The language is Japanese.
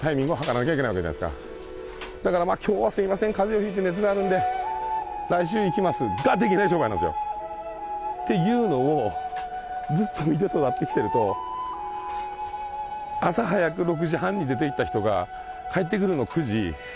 だから「今日はすみません風邪を引いて熱があるんで来週行きます」ができない商売なんですよ。っていうのをずっと見て育ってきていると朝早く６時半に出ていった人が帰ってくるの９時。